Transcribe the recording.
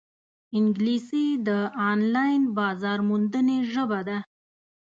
انګلیسي د آنلاین بازارموندنې ژبه ده